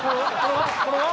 これは？